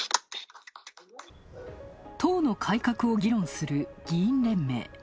党の改革を議論する議員連盟。